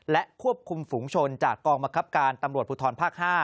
และควบคุมฝุงชนจากกองบังคับการตำรวจภูทรภาค๕